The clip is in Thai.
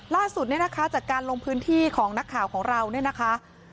ล่าสุดเนี่ยนะคะจากการลงพื้นที่ของนักข่าวของเราเนี่ยนะคะ